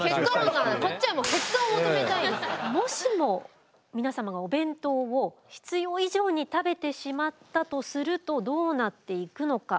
こっちはもしも皆様がお弁当を必要以上に食べてしまったとするとどうなっていくのか。